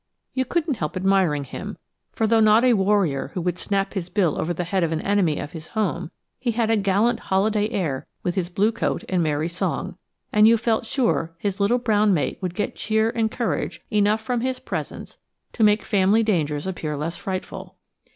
You couldn't help admiring him, for though not a warrior who would snap his bill over the head of an enemy of his home, he had a gallant holiday air with his blue coat and merry song, and you felt sure his little brown mate would get cheer and courage enough from his presence to make family dangers appear less frightful.